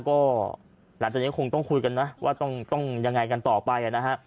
ก็หลังจากนี้คงต้องคุยกันนะว่าต้องยังไงกันต่อไปนะฮะ